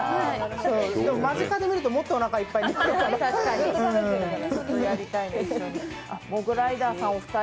でも間近で見るともっとおなかいっぱいになりますよ。